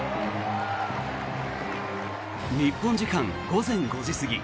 日本時間午前５時過ぎ